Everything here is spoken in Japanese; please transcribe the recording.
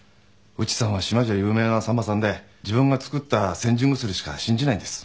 内さんは島じゃ有名な産婆さんで自分が作った煎じ薬しか信じないんです。